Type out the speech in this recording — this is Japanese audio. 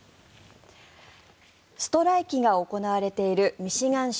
ストライキが行われているミシガン州